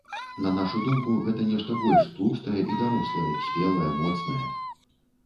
На нашую думку, гэта нешта больш тлустае і дарослае, спелае, моцнае.